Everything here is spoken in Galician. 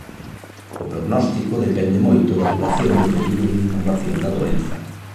O prognóstico depende moito da duración do período de incubación da doenza.